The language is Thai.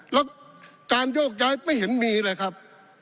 แล้วการโยกย้ายไม่เห็นมีเลยครับ